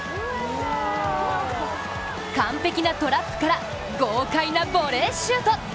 完璧なトラップから豪快なボレーシュート。